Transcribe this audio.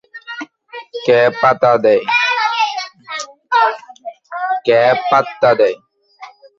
কে পাত্তা দেয়?